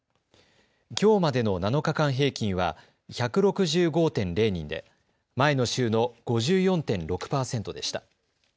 きょうまでの７日間平均は１６５．０人で前の週の５４．６％でした。